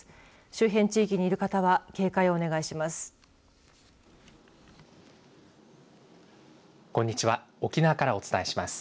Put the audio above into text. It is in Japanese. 周辺地域にいる方は警戒をお願いします。